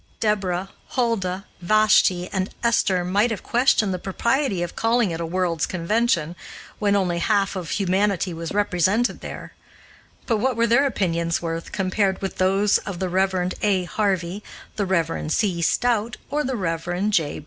Deborah, Huldah, Vashti, and Esther might have questioned the propriety of calling it a World's Convention, when only half of humanity was represented there; but what were their opinions worth compared with those of the Rev. A. Harvey, the Rev. C. Stout, or the Rev. J.